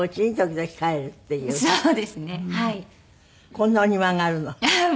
こんなお庭があるの？